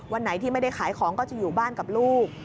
วันไหนที่ไม่ได้ขายของก็จะอยู่บ้านกับลูก